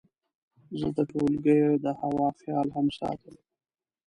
زه د ټولګیو د هوا خیال هم ساتم.